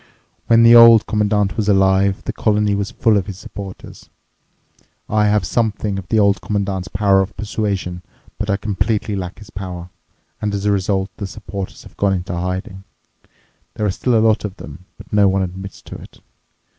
When the Old Commandant was alive, the colony was full of his supporters. I have something of the Old Commandant's power of persuasion, but I completely lack his power, and as a result the supporters have gone into hiding. There are still a lot of them, but no one admits to it.